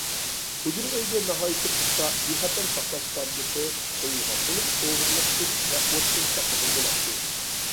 ھۇجرا ئۆيگە ناھايىتى پۇختا بىخەتەر ساقلاش ساندۇقى قويۇلغان بولۇپ ئوغرىلىقتىن ۋە ئوتتىن ساقلىغىلى بولاتتى.